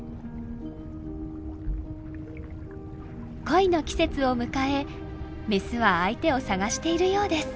恋の季節を迎えメスは相手を探しているようです。